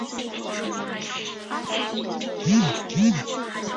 与那原町位于琉球列岛冲绳群岛冲绳岛南部。